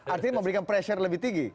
artinya memberikan pressure lebih tinggi